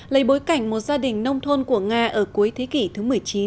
lấy bối cảnh một gia đình nông thôn của nga ở cuối thế kỷ thứ một mươi chín